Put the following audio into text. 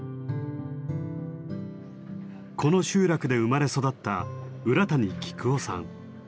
この集落で生まれ育った浦谷喜久男さん。